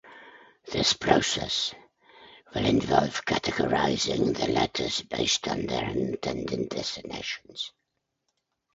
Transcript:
This process will involve categorizing the letters based on their intended destinations.